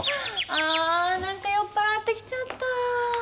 あ何か酔っ払ってきちゃった。